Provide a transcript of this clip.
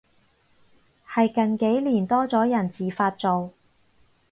係近幾年多咗人自發做